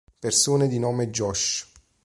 Persone di nome Josh